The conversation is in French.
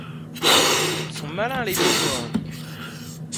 Ils sont malins, les bougres !…